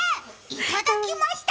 いただきました。